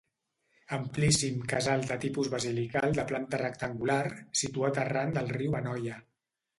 Amplíssim casal de tipus basilical de planta rectangular, situat arran del riu Anoia.